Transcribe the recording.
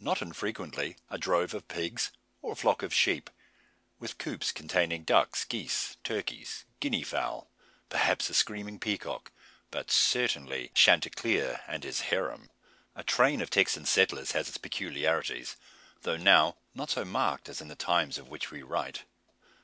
Not unfrequently a drove of pigs, or flock of sheep, with coops containing ducks, geese, turkeys, Guinea fowl perhaps a screaming peacock, but certainly Chanticleer and his harem. A train of Texan settlers has its peculiarities, though now not so marked as in the times of which we write.